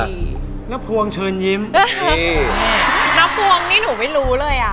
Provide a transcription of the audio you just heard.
น้าพวงเชิญยิ้มน้าพวงนี่หนูไม่รู้เลยอ่ะ